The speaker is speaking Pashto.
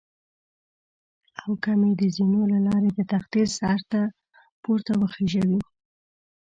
او که مې د زینو له لارې د تختې سره پورته وخېژوي.